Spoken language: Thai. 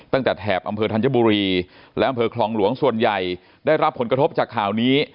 แถบอำเภอธัญบุรีและอำเภอคลองหลวงส่วนใหญ่ได้รับผลกระทบจากข่าวนี้